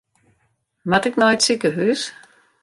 Moat ik nei it sikehús?